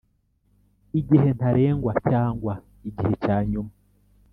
igihe ntarengwa cyangwa igihe cya nyuma